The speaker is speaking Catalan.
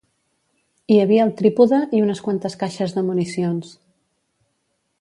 Hi havia el trípode, i unes quantes caixes de municions